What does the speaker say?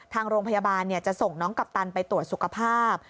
ทางโรงพยาบาลจะส่งน้องกัปตันไปตรวจสุขภาพ